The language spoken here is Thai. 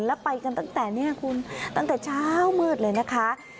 แล้วไปกันตั้งแต่เนี่ยคุณตั้งแต่เช้ามืดเลยนะคะ